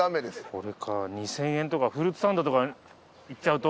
これか２，０００円とかフルーツサンドとか行っちゃうと。